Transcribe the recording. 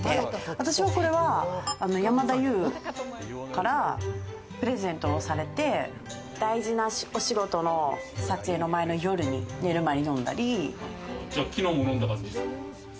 私は山田優からプレゼントされて、大事なお仕事の撮影の前の夜に寝る前に飲んだり、きのうも飲んだんですか？